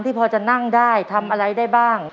พอจะนั่งได้ทำอะไรได้บ้าง